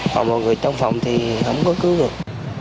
còn mọi người trong phòng thì không có cứu được